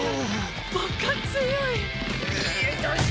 バカ強い！